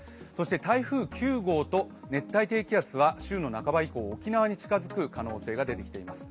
台風９号と熱帯低気圧は週の半ば以降、沖縄に近づく可能性が出てきています。